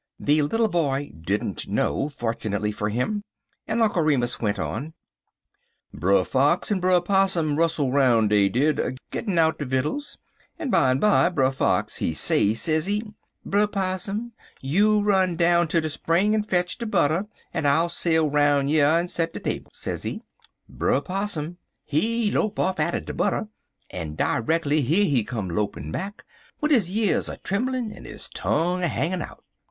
The little boy didn't know, fortunately for him, and Uncle Remus went on: "Brer Fox en Brer Possum rustle roun', dey did, gittin out de vittles, en bimeby Brer Fox, he say, sezee: "'Brer Possum, you run down ter de spring en fetch de butter, en I'll sail 'roun' yer en set de table,' sezee. "Brer Possum, he lope off atter de butter, en dreckly here he come lopin' back wid his years a trimblin' en his tongue a hangin' out.